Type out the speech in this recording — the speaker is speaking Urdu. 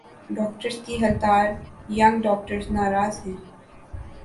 ڈاکٹرز کی ہڑتال "ینگ ڈاکٹرز "ناراض ہیں۔